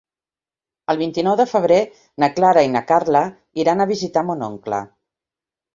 El vint-i-nou de febrer na Clara i na Carla iran a visitar mon oncle.